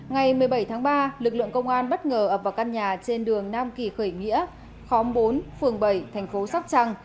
ngày một mươi bảy tháng ba lực lượng công an bất ngờ ập vào căn nhà trên đường nam kỳ khởi nghĩa khóm bốn phương bảy tp sóc trăng